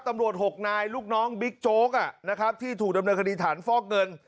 ตำรวจ๖นายลูกน้องบิ๊กโจ๊กที่ถูกดำเนินคดีฐานฟอกเงิน